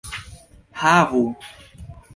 havu